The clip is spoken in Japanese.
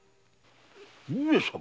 上様！？